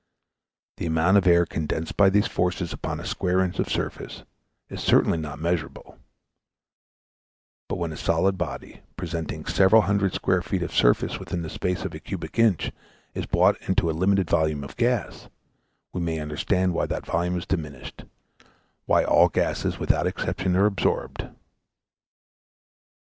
The amount of air condensed by these forces upon a square inch of surface is certainly not measurable; but when a solid body, presenting several hundred square feet of surface within the space of a cubic inch, is brought into a limited volume of gas, we may understand why that volume is diminished, why all gases without exception are absorbed.